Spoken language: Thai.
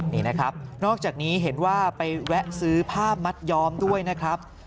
นี่นะครับนอกจากนี้เห็นว่าไปแวะซื้อผ้ามัดย้อมด้วยนะครับ